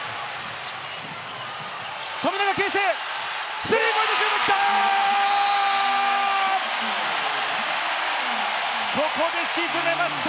富永啓生、スリーポイントシュート、きた！